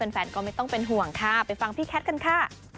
แฟนก็ไม่ต้องเป็นห่วงค่ะไปฟังพี่แคทกันค่ะ